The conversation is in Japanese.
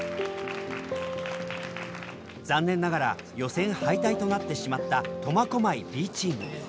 残念ながら予選敗退となってしまった苫小牧Ｂチーム。